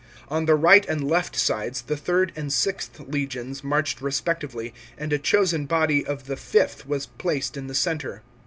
On the right and left sides the illrd and Vlth legions marched respectively, and a chosen body of the Xth was placed in the centre.